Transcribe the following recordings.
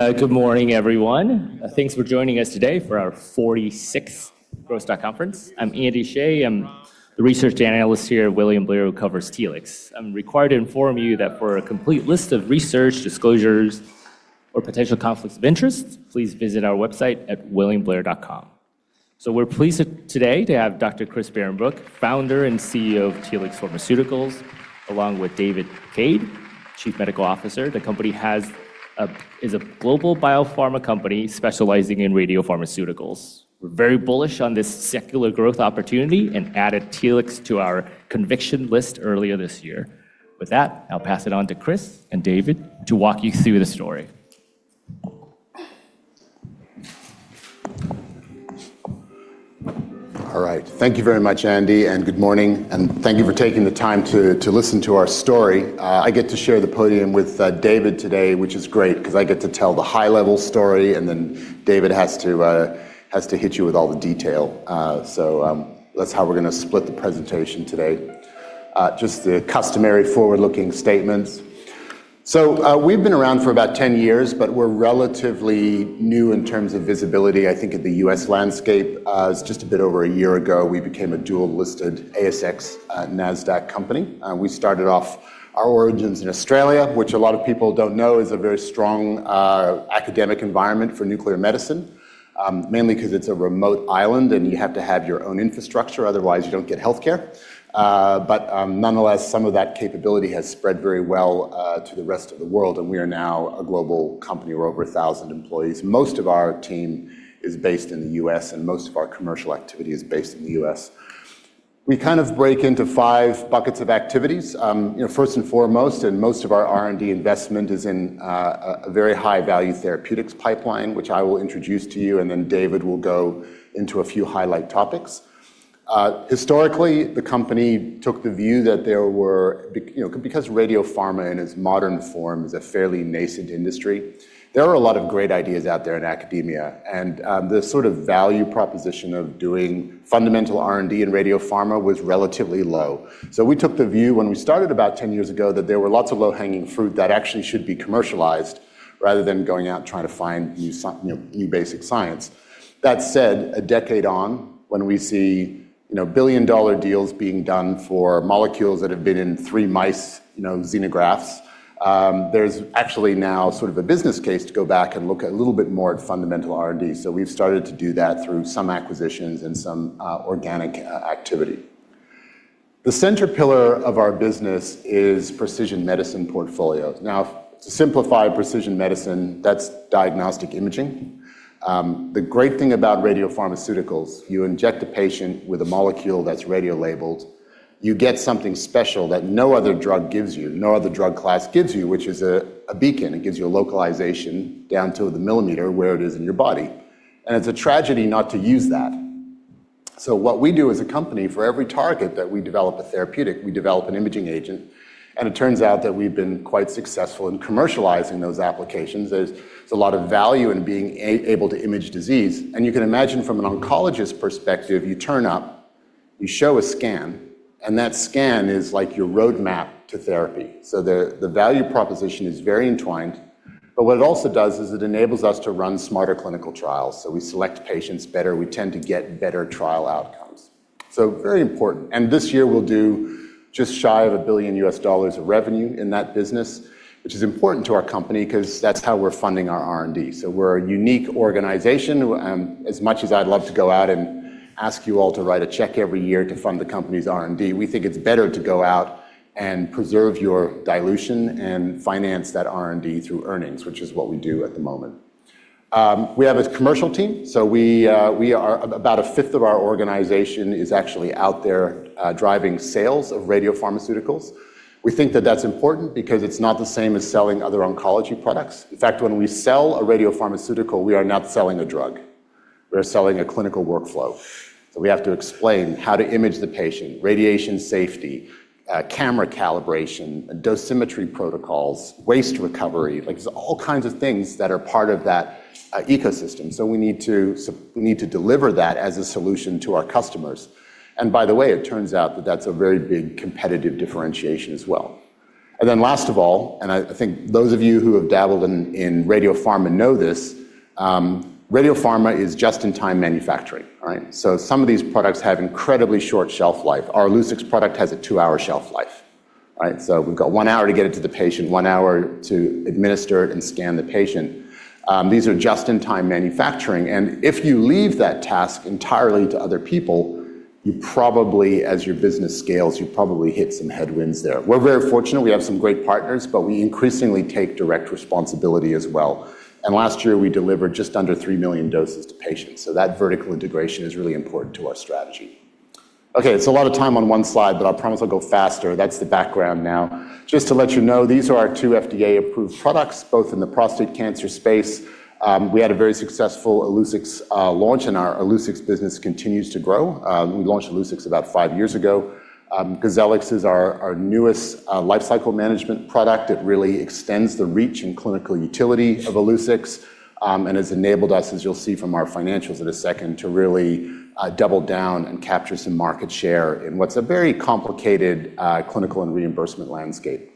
Good morning, everyone. Thanks for joining us today for our 46th Growth Stock Conference. I'm Andy Hsieh. I'm the Research Analyst here at William Blair who covers Telix. I'm required to inform you that for a complete list of research disclosures or potential conflicts of interest, please visit our website at williamblair.com. We're pleased today to have Dr. Christian Behrenbruch, founder and CEO of Telix Pharmaceuticals, along with David Cade, Chief Medical Officer. The company is a global biopharma company specializing in radiopharmaceuticals. We're very bullish on this secular growth opportunity and added Telix to our conviction list earlier this year. With that, I'll pass it on to Chris and David to walk you through the story. All right. Thank you very much, Andy. Good morning. Thank you for taking the time to listen to our story. I get to share the podium with David today, which is great, because I get to tell the high-level story. David has to hit you with all the detail. That's how we're going to split the presentation today. Just the customary forward-looking statements. We've been around for about 10 years. We're relatively new in terms of visibility, I think, in the U.S. landscape. It's just a bit over a year ago, we became a dual-listed ASX/NASDAQ company. We started off our origins in Australia, which a lot of people don't know is a very strong academic environment for nuclear medicine. Mainly because it's a remote island. You have to have your own infrastructure, otherwise you don't get healthcare. Nonetheless, some of that capability has spread very well to the rest of the world, and we are now a global company. We're over 1,000 employees. Most of our team is based in the U.S., and most of our commercial activity is based in the U.S. We kind of break into five buckets of activities. First and foremost, and most of our R&D investment is in a very high-value therapeutics pipeline, which I will introduce to you, and then David will go into a few highlight topics. Historically, the company took the view that because radiopharma in its modern form is a fairly nascent industry, there are a lot of great ideas out there in academia, and the sort of value proposition of doing fundamental R&D in radiopharma was relatively low. We took the view when we started about 10 years ago that there were lots of low-hanging fruit that actually should be commercialized rather than going out and trying to find new basic science. That said, a decade on, when we see billion-dollar deals being done for molecules that have been in three mice xenografts, there's actually now sort of a business case to go back and look a little bit more at fundamental R&D. We've started to do that through some acquisitions and some organic activity. The center pillar of our business is precision medicine portfolio. To simplify precision medicine, that's diagnostic imaging. The great thing about radiopharmaceuticals, you inject a patient with a molecule that's radiolabeled, you get something special that no other drug gives you, no other drug class gives you, which is a beacon. It gives you a localization down to the millimeter where it is in your body, and it's a tragedy not to use that. What we do as a company, for every target that we develop a therapeutic, we develop an imaging agent, and it turns out that we've been quite successful in commercializing those applications. There's a lot of value in being able to image disease. You can imagine from an oncologist perspective, you turn up, you show a scan, and that scan is like your roadmap to therapy. The value proposition is very entwined. What it also does is it enables us to run smarter clinical trials. We select patients better, we tend to get better trial outcomes. Very important. This year we'll do just shy of $1 billion of revenue in that business, which is important to our company because that's how we're funding our R&D. We're a unique organization. As much as I'd love to go out and ask you all to write a check every year to fund the company's R&D, we think it's better to go out and preserve your dilution and finance that R&D through earnings, which is what we do at the moment. We have a commercial team, so about a fifth of our organization is actually out there driving sales of radiopharmaceuticals. We think that that's important because it's not the same as selling other oncology products. In fact, when we sell a radiopharmaceutical, we are not selling a drug. We are selling a clinical workflow. We have to explain how to image the patient, radiation safety, camera calibration, dosimetry protocols, waste recovery, all kinds of things that are part of that ecosystem. We need to deliver that as a solution to our customers. By the way, it turns out that that's a very big competitive differentiation as well. Last of all, I think those of you who have dabbled in radiopharma know this, radiopharma is just-in-time manufacturing. Some of these products have incredibly short shelf life. Our Illuccix product has a two-hour shelf life. We've got one hour to get it to the patient, one hour to administer it and scan the patient. These are just-in-time manufacturing, and if you leave that task entirely to other people, you probably, as your business scales, you probably hit some headwinds there. We're very fortunate we have some great partners, but we increasingly take direct responsibility as well. Last year we delivered just under 3 million doses to patients. That vertical integration is really important to our strategy. Okay, it's a lot of time on one slide, but I promise I'll go faster. That's the background now. Just to let you know, these are our two FDA-approved products, both in the prostate cancer space. We had a very successful Illuccix launch, and our Illuccix business continues to grow. We launched Illuccix about five years ago. GOZELLIX is our newest lifecycle management product. It really extends the reach and clinical utility of Illuccix and has enabled us, as you'll see from our financials in a second, to really double down and capture some market share in what's a very complicated clinical and reimbursement landscape.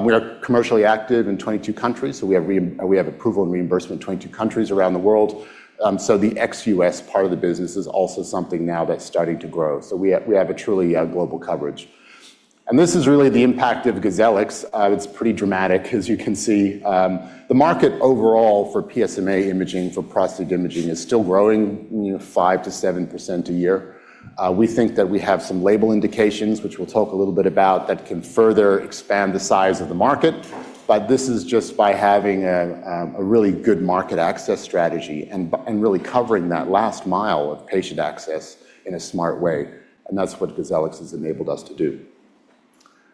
We are commercially active in 22 countries. We have approval and reimbursement in 22 countries around the world. The ex-U.S. part of the business is also something now that's starting to grow. We have a truly global coverage. This is really the impact of GOZELLIX. It's pretty dramatic, as you can see. The market overall for PSMA imaging, for prostate imaging, is still growing 5%-7% a year. We think that we have some label indications, which we'll talk a little bit about, that can further expand the size of the market. This is just by having a really good market access strategy and really covering that last mile of patient access in a smart way, that's what GOZELLIX has enabled us to do.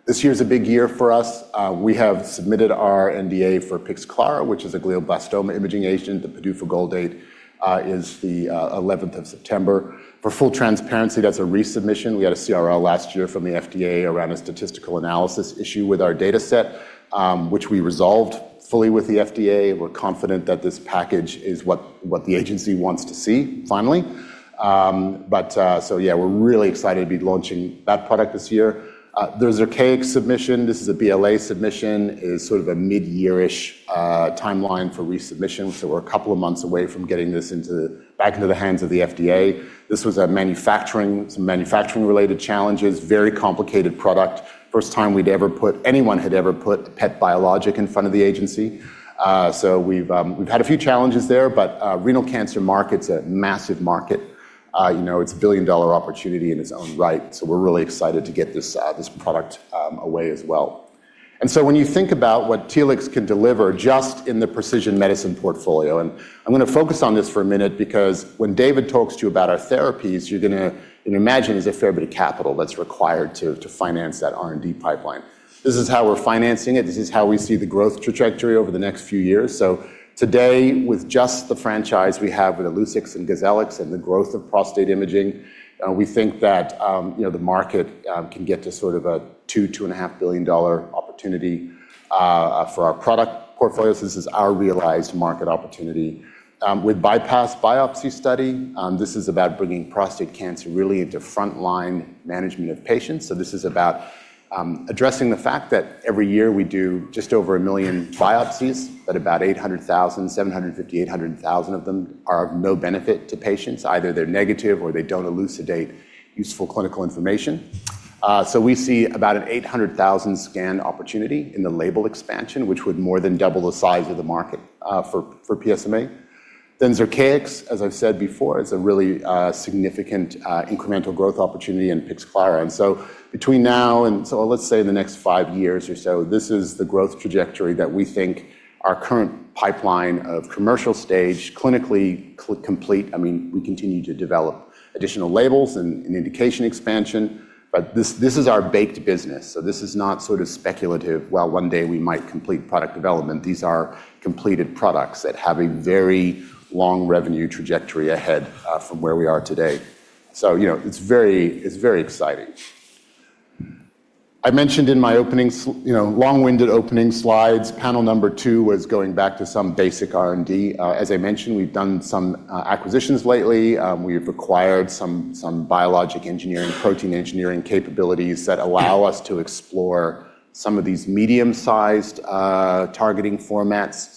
This year's a big year for us. We have submitted our NDA for Pixclara, which is a glioblastoma imaging agent. The PDUFA goal date is the 11th of September. For full transparency, that's a resubmission. We had a CRL last year from the FDA around a statistical analysis issue with our data set, which we resolved fully with the FDA. We're confident that this package is what the agency wants to see finally. Yeah, we're really excited to be launching that product this year. The Zircaix submission, this is a BLA submission, is sort of a mid-year-ish timeline for resubmission. We're a couple of months away from getting this back into the hands of the FDA. This was some manufacturing-related challenges, very complicated product. First time anyone had ever put a PET biologic in front of the agency. We've had a few challenges there, but renal cancer market's a massive market. It's a billion-dollar opportunity in its own right. We're really excited to get this product away as well. When you think about what Telix can deliver just in the precision medicine portfolio, and I'm going to focus on this for a minute because when David talks to you about our therapies, you can imagine there's a fair bit of capital that's required to finance that R&D pipeline. This is how we're financing it. This is how we see the growth trajectory over the next few years. Today, with just the franchise we have with Illuccix and GOZELLIX and the growth of prostate imaging, we think that the market can get to sort of a 2 billion-2.5 billion dollar opportunity for our product portfolios. This is our realized market opportunity. With bypass biopsy study, this is about bringing prostate cancer really into frontline management of patients. This is about addressing the fact that every year we do just over 1 million biopsies, but about 800,000, 750,000, 800,000 of them are of no benefit to patients. Either they're negative or they don't elucidate useful clinical information. We see about an 800,000 scan opportunity in the label expansion, which would more than double the size of the market for PSMA. Zircaix, as I've said before, is a really significant incremental growth opportunity in Pixclara. Between now and, let's say the next five years or so, this is the growth trajectory that we think our current pipeline of commercial stage, clinically complete. We continue to develop additional labels and indication expansion, but this is our baked business. This is not sort of speculative, "Well, one day we might complete product development." These are completed products that have a very long revenue trajectory ahead from where we are today. It's very exciting. I mentioned in my long-winded opening slides, panel number 2 was going back to some basic R&D. As I mentioned, we've done some acquisitions lately. We've acquired some biologic engineering, protein engineering capabilities that allow us to explore some of these medium-sized targeting formats.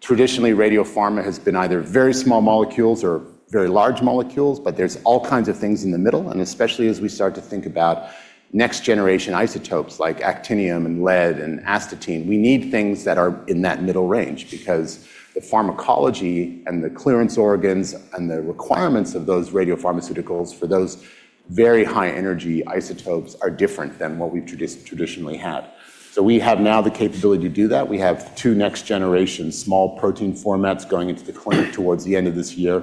Traditionally, radiopharma has been either very small molecules or very large molecules, but there's all kinds of things in the middle. Especially as we start to think about next-generation isotopes like actinium, and lead, and astatine, we need things that are in that middle range because the pharmacology and the clearance organs and the requirements of those radiopharmaceuticals for those very high-energy isotopes are different than what we've traditionally had. We have now the capability to do that. We have two next-generation small protein formats going into the clinic towards the end of this year,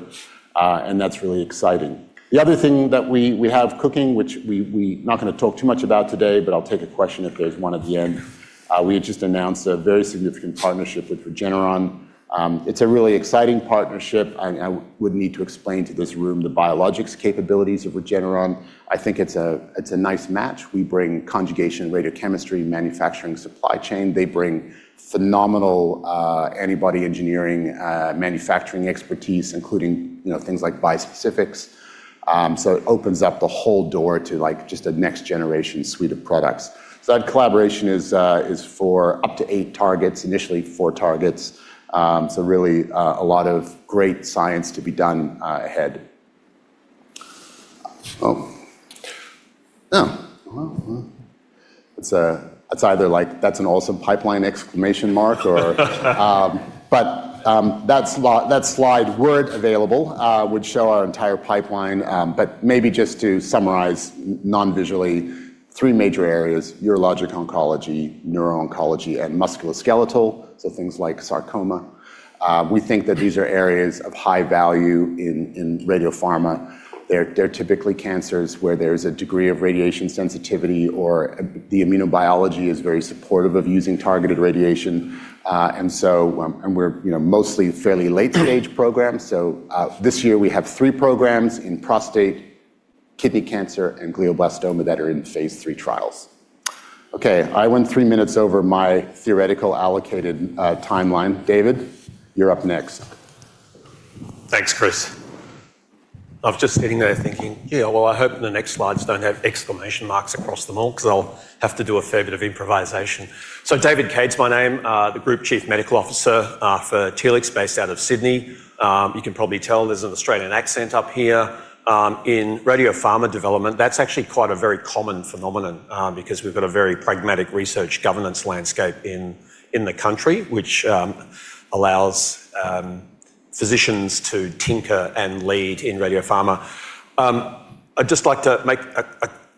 and that's really exciting. The other thing that we have cooking, which we are not going to talk too much about today, but I'll take a question if there's one at the end. We had just announced a very significant partnership with Regeneron. It's a really exciting partnership, and I would need to explain to this room the biologics capabilities of Regeneron. I think it's a nice match. We bring conjugation, radiochemistry, manufacturing, supply chain. They bring phenomenal antibody engineering, manufacturing expertise, including things like bispecifics. It opens up the whole door to just a next-generation suite of products. That collaboration is for up to 8 targets, initially 4 targets. Really, a lot of great science to be done ahead. It's either like that's an awesome pipeline exclamation mark. That slide, were it available, would show our entire pipeline. Maybe just to summarize non-visually, 3 major areas, urologic oncology, neuro-oncology, and musculoskeletal, things like sarcoma. We think that these are areas of high value in radiopharma. They're typically cancers where there's a degree of radiation sensitivity or the immunobiology is very supportive of using targeted radiation. We're mostly fairly late-stage programs. This year we have three programs in prostate, kidney cancer, and glioblastoma that are in phase III trials. Okay, I went three minutes over my theoretical allocated timeline. David, you're up next. Thanks, Chris. I was just sitting there thinking, yeah, well, I hope the next slides don't have exclamation marks across them all because I'll have to do a fair bit of improvisation. David Cade's my name, the Group Chief Medical Officer for Telix, based out of Sydney. You can probably tell there's an Australian accent up here. In radiopharma development, that's actually quite a very common phenomenon because we've got a very pragmatic research governance landscape in the country, which allows physicians to tinker and lead in radiopharma. I'd just like to make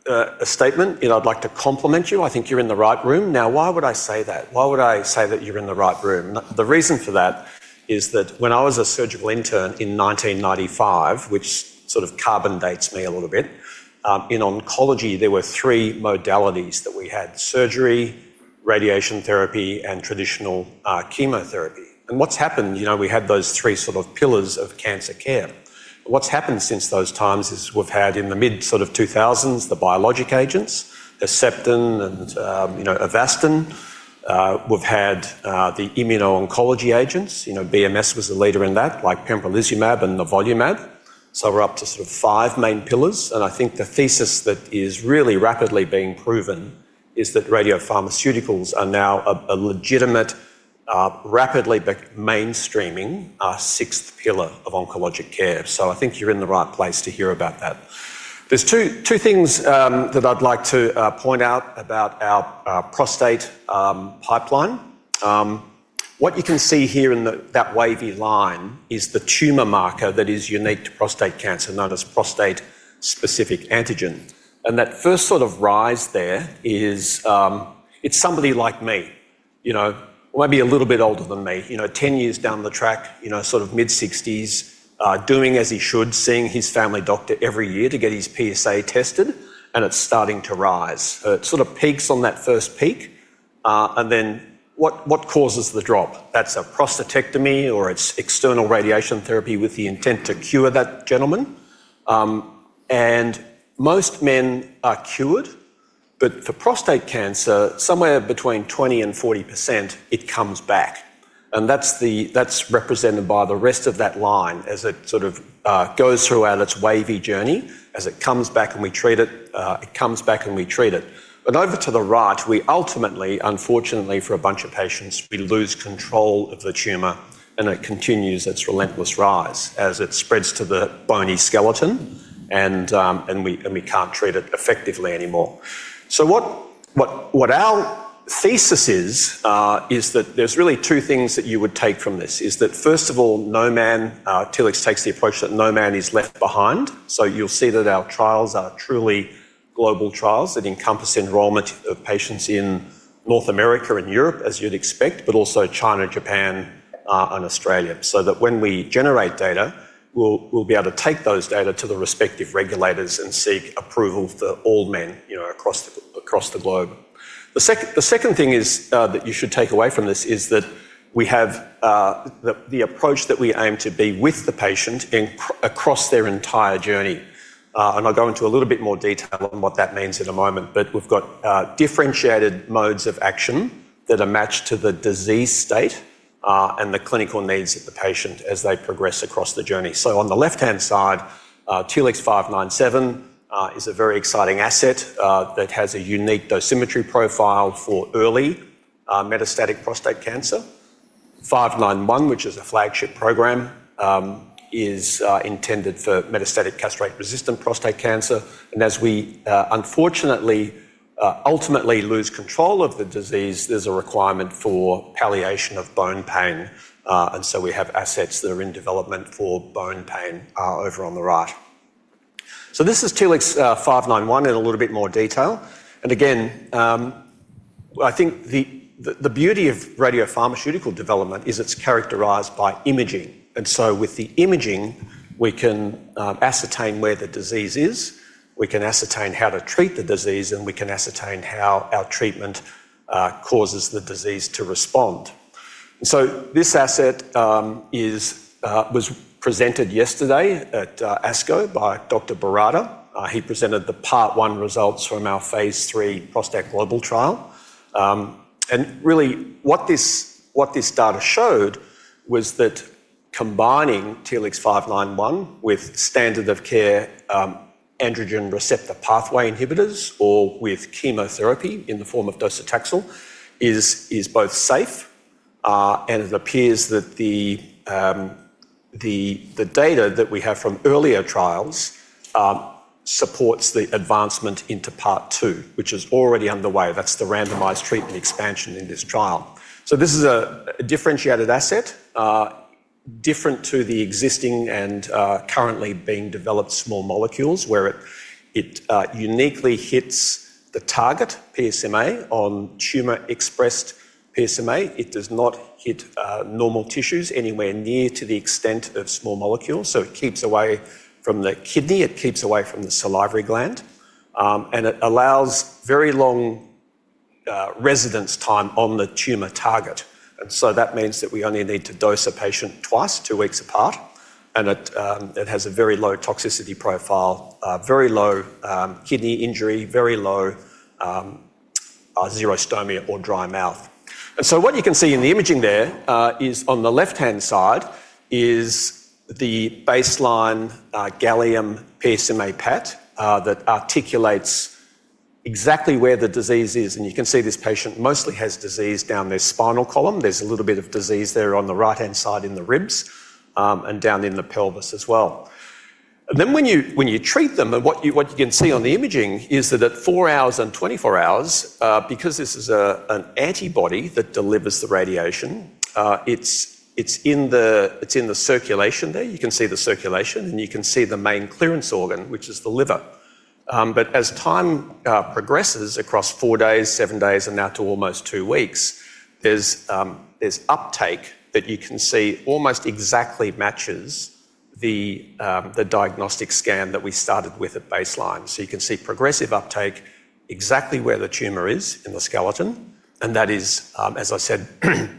a statement, and I'd like to compliment you. I think you're in the right room. Why would I say that? Why would I say that you're in the right room? The reason for that is that when I was a surgical intern in 1995, which sort of carbon dates me a little bit, in oncology, there were three modalities that we had: surgery, radiation therapy, and traditional chemotherapy. What's happened, we had those three sort of pillars of cancer care. What's happened since those times is we've had in the mid 2000s the biologic agents, Herceptin and Avastin. We've had the immuno-oncology agents, BMS was the leader in that, like pembrolizumab and nivolumab. We're up to sort of five main pillars, and I think the thesis that is really rapidly being proven is that radiopharmaceuticals are now a legitimate, rapidly mainstreaming sixth pillar of oncologic care. I think you're in the right place to hear about that. There's two things that I'd like to point out about our prostate pipeline. What you can see here in that wavy line is the tumor marker that is unique to prostate cancer, known as prostate-specific antigen. That first sort of rise there is somebody like me. Maybe a little bit older than me, 10 years down the track, sort of mid-60s, doing as he should, seeing his family doctor every year to get his PSA tested, and it's starting to rise. It sort of peaks on that first peak, what causes the drop? That's a prostatectomy, or it's external radiation therapy with the intent to cure that gentleman. Most men are cured, but for prostate cancer, somewhere between 20% and 40%, it comes back, and that's represented by the rest of that line as it sort of goes throughout its wavy journey, as it comes back and we treat it comes back and we treat it. Over to the right, we ultimately, unfortunately for a bunch of patients, we lose control of the tumor, and it continues its relentless rise as it spreads to the bony skeleton, and we can't treat it effectively anymore. What our thesis is that there's really two things that you would take from this. Is that, first of all, Telix takes the approach that no man is left behind. You'll see that our trials are truly global trials that encompass enrollment of patients in North America and Europe, as you'd expect, but also China, Japan, and Australia. That when we generate data, we'll be able to take those data to the respective regulators and seek approval for all men across the globe. The second thing that you should take away from this is that we have the approach that we aim to be with the patient across their entire journey. I'll go into a little bit more detail on what that means in a moment. We've got differentiated modes of action that are matched to the disease state and the clinical needs of the patient as they progress across the journey. On the left-hand side, TLX597 is a very exciting asset that has a unique dosimetry profile for early metastatic prostate cancer. 591, which is a flagship program, is intended for metastatic castrate-resistant prostate cancer. As we unfortunately, ultimately lose control of the disease, there's a requirement for palliation of bone pain, we have assets that are in development for bone pain over on the right. This is TLX591 in a little bit more detail. Again, I think the beauty of radiopharmaceutical development is it's characterized by imaging. With the imaging, we can ascertain where the disease is, we can ascertain how to treat the disease, and we can ascertain how our treatment causes the disease to respond. This asset was presented yesterday at ASCO by Dr. Sartor. He presented the part 1 results from our phase III ProstACT global trial. Really, what this data showed was that combining TLX597 with standard of care androgen receptor pathway inhibitors or with chemotherapy in the form of docetaxel is both safe and it appears that the data that we have from earlier trials supports the advancement into part 2, which is already underway. That's the randomized treatment expansion in this trial. This is a differentiated asset, different to the existing and currently being developed small molecules, where it uniquely hits the target, PSMA, on tumor-expressed PSMA. It does not hit normal tissues anywhere near to the extent of small molecules. It keeps away from the kidney, it keeps away from the salivary gland, and it allows very long residence time on the tumor target. That means that we only need to dose a patient twice, two weeks apart, and it has a very low toxicity profile, very low kidney injury, very low xerostomia or dry mouth. What you can see in the imaging there is on the left-hand side is the baseline gallium PSMA PET that articulates exactly where the disease is. You can see this patient mostly has disease down their spinal column. There's a little bit of disease there on the right-hand side in the ribs, and down in the pelvis as well. When you treat them, what you can see on the imaging is that at four hours and 24 hours, because this is an antibody that delivers the radiation, it's in the circulation there. You can see the circulation, and you can see the main clearance organ, which is the liver. As time progresses across four days, seven days, and now to almost two weeks, there's uptake that you can see almost exactly matches the diagnostic scan that we started with at baseline. You can see progressive uptake exactly where the tumor is in the skeleton, and that is, as I said,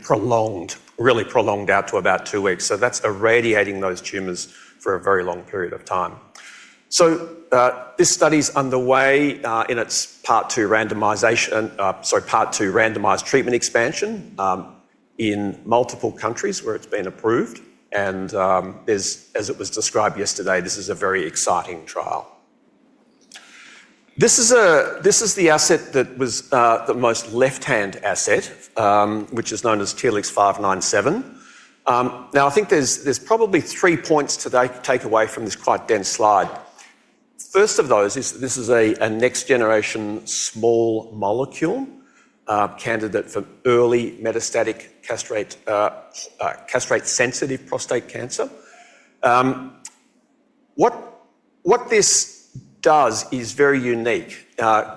prolonged, really prolonged out to about two weeks. That's irradiating those tumors for a very long period of time. This study's underway in its part two randomized treatment expansion in multiple countries where it's been approved. As it was described yesterday, this is a very exciting trial. This is the asset that was the most left-hand asset, which is known as TLX597. I think there's probably three points to take away from this quite dense slide. First of those is this is a next-generation small molecule candidate for early metastatic castrate-sensitive prostate cancer. What this does is very unique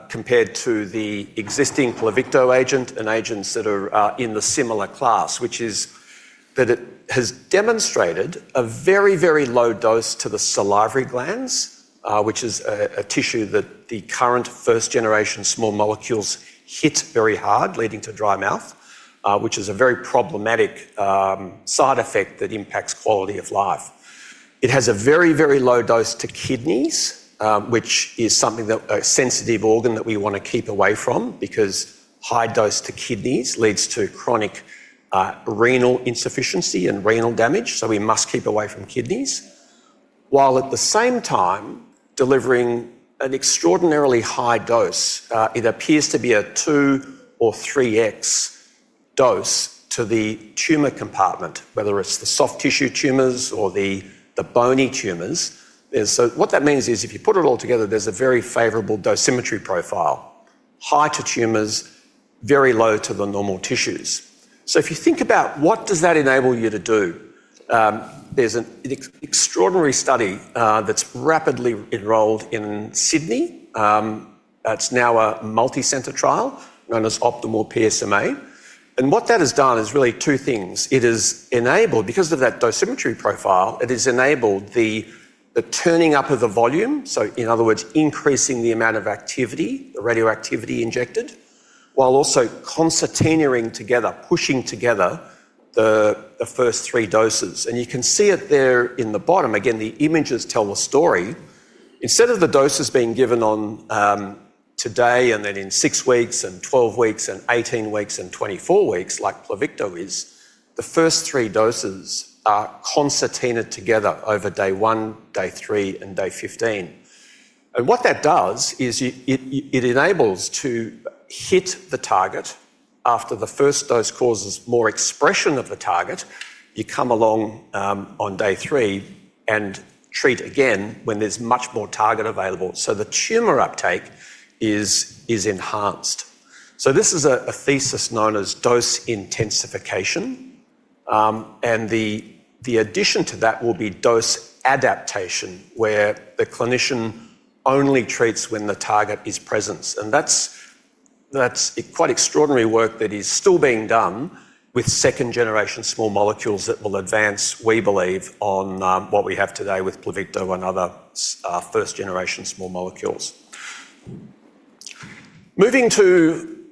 compared to the existing PLUVICTO agent and agents that are in the similar class, which is that it has demonstrated a very, very low dose to the salivary glands, which is a tissue that the current first-generation small molecules hit very hard, leading to dry mouth, which is a very problematic side effect that impacts quality of life. It has a very, very low dose to kidneys, which is a sensitive organ that we want to keep away from because high dose to kidneys leads to chronic renal insufficiency and renal damage, so we must keep away from kidneys. While at the same time, delivering an extraordinarily high dose. It appears to be a 2x or 3x dose to the tumor compartment, whether it's the soft tissue tumors or the bony tumors. What that means is if you put it all together, there's a very favorable dosimetry profile, high to tumors, very low to the normal tissues. If you think about what does that enable you to do, there's an extraordinary study that's rapidly enrolled in Sydney. It's now a multicenter trial known as OPTIMAL-PSMA. What that has done is really two things. Because of that dosimetry profile, it has enabled the turning up of the volume, so in other words, increasing the amount of activity, the radioactivity injected, while also concertinaing together, pushing together the first three doses. You can see it there in the bottom. Again, the images tell the story. Instead of the doses being given on today and then in six weeks and 12 weeks and 18 weeks and 24 weeks, like Pluvicto is, the first three doses are concertinaed together over day one, day three, and day 15. What that does is it enables to hit the target after the first dose causes more expression of the target. You come along on day three and treat again when there's much more target available. The tumor uptake is enhanced. This is a thesis known as dose intensification. The addition to that will be dose adaptation, where the clinician only treats when the target is present. That's quite extraordinary work that is still being done with second-generation small molecules that will advance, we believe, on what we have today with Pluvicto and other first-generation small molecules. Moving to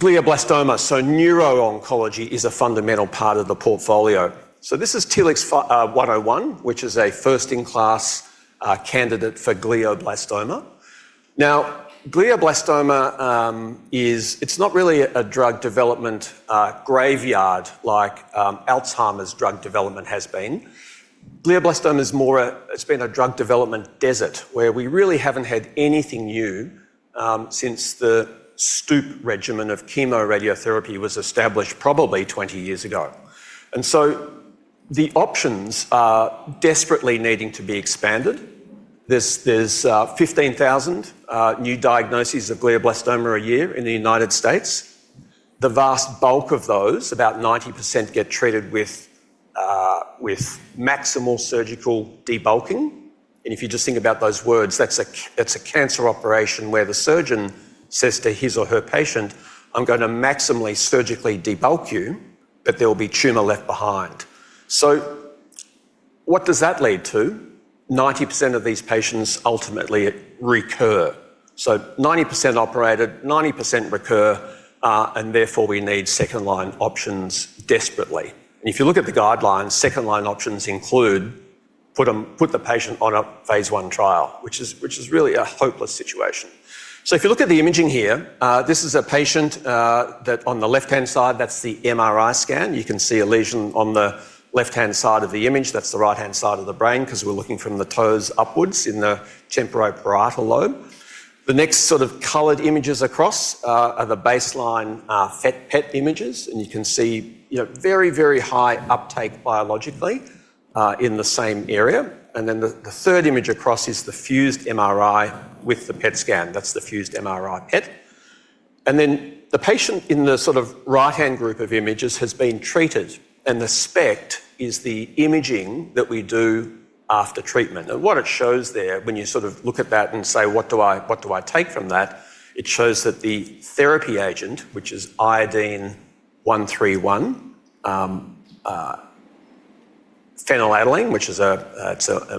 glioblastoma. Neuro-oncology is a fundamental part of the portfolio. This is TLX101, which is a first-in-class candidate for glioblastoma. Glioblastoma, it's not really a drug development graveyard like Alzheimer's drug development has been. Glioblastoma, it's been a drug development desert where we really haven't had anything new since the Stupp regimen of chemoradiotherapy was established probably 20 years ago. The options are desperately needing to be expanded. There's 15,000 new diagnoses of glioblastoma a year in the United States. The vast bulk of those, about 90%, get treated with maximal surgical debulking. If you just think about those words, that's a cancer operation where the surgeon says to his or her patient, "I'm going to maximally surgically debulk you, but there will be tumor left behind." What does that lead to? 90% of these patients ultimately recur. 90% operated, 90% recur, and therefore, we need second-line options desperately. If you look at the guidelines, second-line options include putting the patient on a phase I trial, which is really a hopeless situation. If you look at the imaging here, this is a patient that on the left-hand side, that's the MRI scan. You can see a lesion on the left-hand side of the image. That's the right-hand side of the brain because we're looking from the toes upwards in the temporoparietal lobe. The next sort of colored images across are the baseline FET-PET images, and you can see very, very high uptake biologically, in the same area. The third image across is the fused MRI with the PET scan. That's the fused MRI PET. The patient in the sort of right-hand group of images has been treated, and the SPECT is the imaging that we do after treatment. What it shows there, when you sort of look at that and say, "What do I take from that?" It shows that the therapy agent, which is Iodine-131, phenylalanine, which is an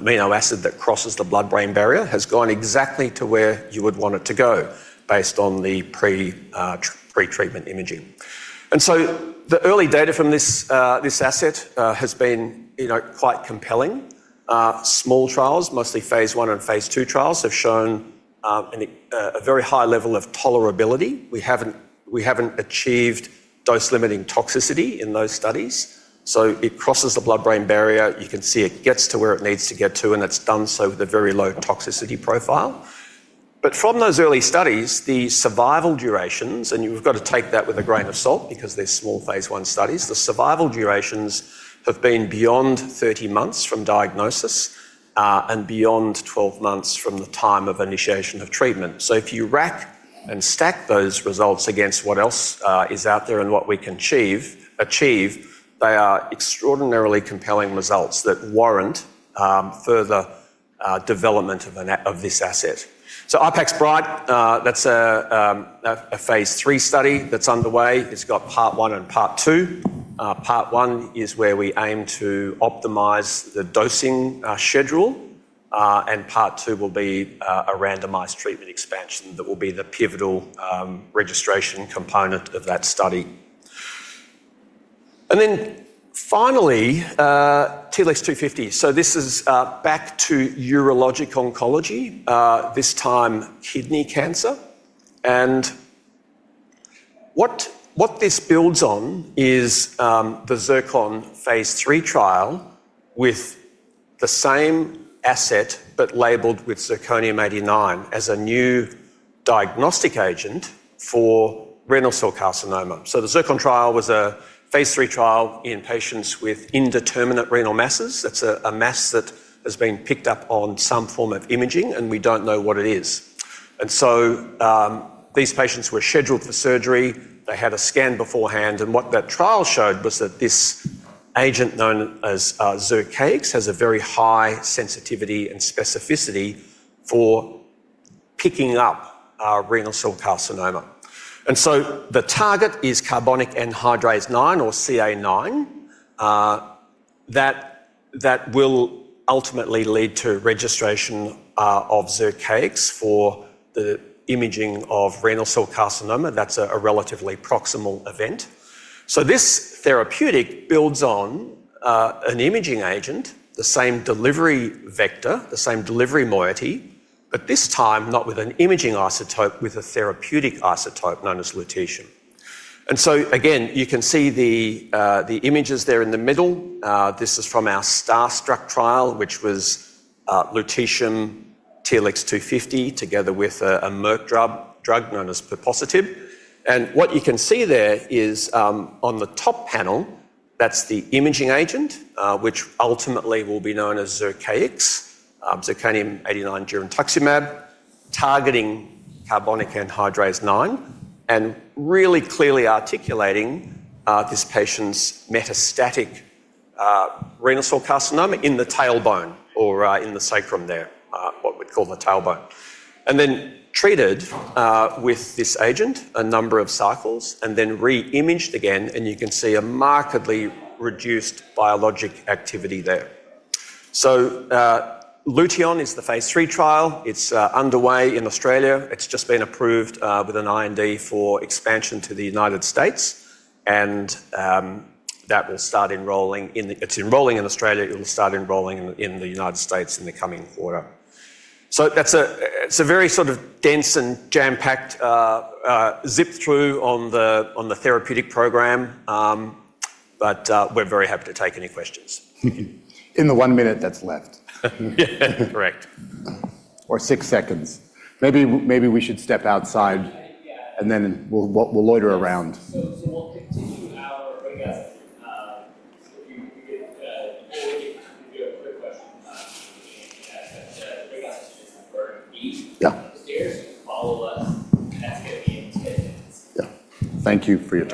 amino acid that crosses the blood-brain barrier, has gone exactly to where you would want it to go based on the pre-treatment imaging. The early data from this asset has been quite compelling. Small trials, mostly phase I and phase II trials, have shown a very high level of tolerability. We haven't achieved dose-limiting toxicity in those studies. It crosses the blood-brain barrier. You can see it gets to where it needs to get to, and it's done so with a very low toxicity profile. From those early studies, the survival durations, and you've got to take that with a grain of salt because they're small phase I studies, the survival durations have been beyond 30 months from diagnosis, and beyond 12 months from the time of initiation of treatment. If you rack and stack those results against what else is out there and what we can achieve, they are extraordinarily compelling results that warrant further development of this asset. IPAX BrIGHT, that's a phase III study that's underway. It's got part one and part two. Part one is where we aim to optimize the dosing schedule, part two will be a randomized treatment expansion that will be the pivotal registration component of that study. Finally, TLX250. This is back to urologic oncology, this time kidney cancer. What this builds on is the ZIRCON phase III trial with the same asset but labeled with zirconium-89 as a new diagnostic agent for renal cell carcinoma. The ZIRCON trial was a phase III trial in patients with indeterminate renal masses. That's a mass that has been picked up on some form of imaging, we don't know what it is. These patients were scheduled for surgery. They had a scan beforehand, what that trial showed was that this agent, known as Zircaix, has a very high sensitivity and specificity for picking up renal cell carcinoma. The target is carbonic anhydrase 9 or CA9, that will ultimately lead to registration of Zircaix for the imaging of renal cell carcinoma. That's a relatively proximal event. This therapeutic builds on an imaging agent, the same delivery vector, the same delivery moiety, but this time, not with an imaging isotope, with a therapeutic isotope known as lutetium. Again, you can see the images there in the middle. This is from our STARSTRUCK trial, which was lutetium TLX250, together with a Merck drug known as peposertib. What you can see there is, on the top panel, that's the imaging agent, which ultimately will be known as Zircaix, zirconium-89 girentuximab, targeting carbonic anhydrase 9, and really clearly articulating this patient's metastatic renal cell carcinoma in the tailbone or in the sacrum there, what we'd call the tailbone. Then treated with this agent, a number of cycles, and then re-imaged again, and you can see a markedly reduced biologic activity there. LUTEON is the phase III trial. It's underway in Australia. It's just been approved with an IND for expansion to the United States, and that will start enrolling. It's enrolling in Australia. It will start enrolling in the United States in the coming quarter. That's a very sort of dense and jam-packed zip through on the therapeutic program, but we're very happy to take any questions. In the one minute that's left. Correct. Six seconds. Maybe we should step outside. We'll loiter around. We'll continue our guest. If you have quick questions, just ask. The guest is Telix. Yeah. Upstairs. You can follow us, and that's going to be in ten minutes. Yeah. Thank you for your time.